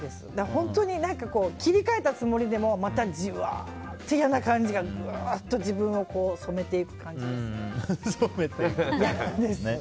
本当に切り替えたつもりでもまたじわっと嫌な感じが自分を染めていく感じですね。